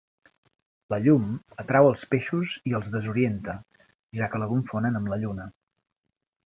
La llum atrau els peixos i els desorienta, ja que la confonen amb la lluna.